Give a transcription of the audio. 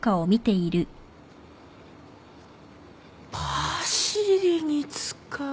パシリに使う。